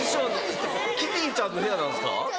キティちゃんの部屋なんですか？